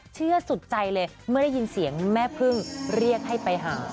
สุดใจเลยเมื่อได้ยินเสียงแม่พึ่งเรียกให้ไปหา